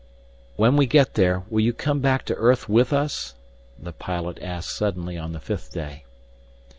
"When we get there, will you come back to earth with us?" the pilot asked suddenly on the fifth day.